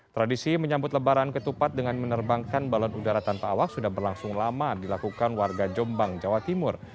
tradisi menyambut lebaran ketupat dengan menerbangkan balon udara tanpa awak sudah berlangsung lama dilakukan warga jombang jawa timur